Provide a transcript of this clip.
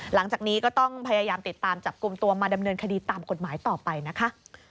หลังจากนี้ก็ต้องพยายามติดตามจับกลุ่มตัวมาดำเนินคดีตามกฎหมายต่อไปนะคะ